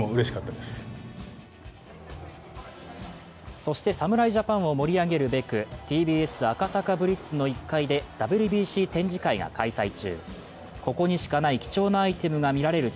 そして侍ジャパンを盛り上げるべく、ＴＢＳ赤坂ＢＬＩＴＺの１階でＷＢＣ展示会が開催中。